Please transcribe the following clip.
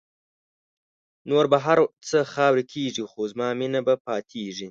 نور به هر څه خاوری کېږی خو زما مینه به پاتېږی